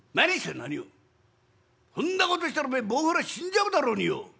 そんなことしたらおめえボウフラ死んじゃうだろうによ」。